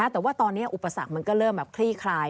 แต่ว่าตอนนี้อุปสรรคมันก็เริ่มแบบคลี่คลาย